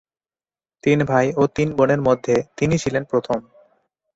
তিন ভাই ও তিন বোনের মধ্যে তিনি ছিলেন প্রথম।